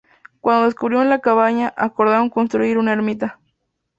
Cuando descubrieron la cabaña, acordaron construir una ermita.